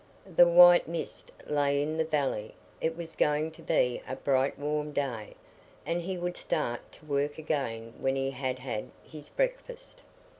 The white mist lay in the valley; it was going to be a bright warm day, and he would start to work again when he had had his breakfast.